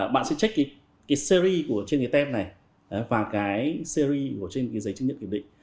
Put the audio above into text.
bạn sẽ check cái series trên cái tem này và cái series trên cái giấy chứng nhận kiểm định